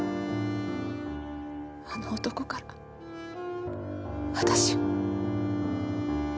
あの男から私を。